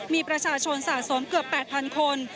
มีประชาชนสะสมเกือบ๘๐๐คน